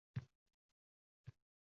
So‘zsiz bajar.